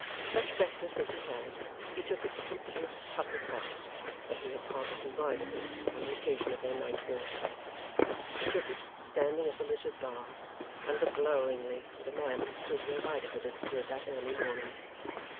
Such breakfast as he had, he took at the comfortless public house where he had parted from Riderhood on the occasion of their night walk. He took it, standing at the littered bar, and looked loweringly at a man who stood where Riderhood had stood that early morning.